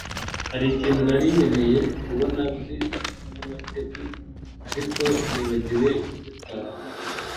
Hari ikintu nari nkeneye kubona muri supermarket, ariko nibagiwe kugitwara.